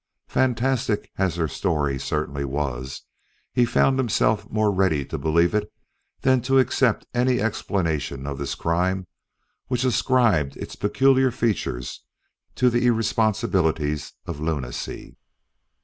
Fantastic as her story certainly was, he found himself more ready to believe it than to accept any explanation of this crime which ascribed its peculiar features to the irresponsibilities of lunacy.